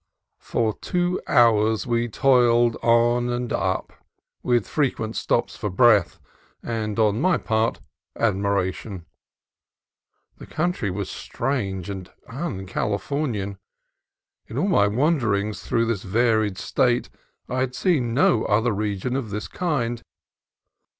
For two hours we toiled on and up, with frequent stops for breath and, on my part, admiration. The country was strange and un Californian. In all my wanderings through this varied State I had seen no other region of this kind.